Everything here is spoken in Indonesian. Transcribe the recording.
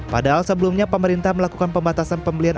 padahal sebelumnya pemerintah melakukan pembatasan pembelian